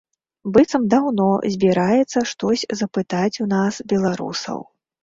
Быццам даўно збіраецца штось запытаць у нас, беларусаў.